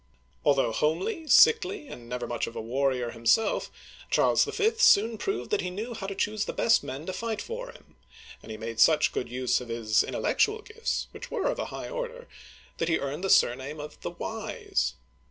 Although homely, sickly, and never much of a warrior uigitized by VjjOOQI\^ CHARLES V. (1364 1380) 165 himself, Charles V. soon proved that he knew how to choose the best men to fight for him ; and he made such good use of his intellectual gifts, — which were of a high order, — that he earned the surname of "the Wise.'